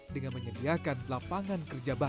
dengan menyediakan lapangan kerja baru